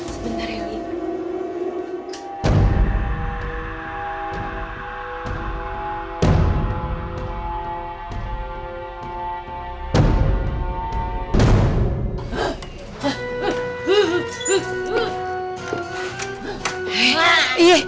sebentar ya ali